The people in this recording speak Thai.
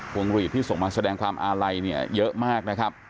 วงหลีดที่ส่งมาแสดงความอาลัยเนี่ยเยอะมากนะครับ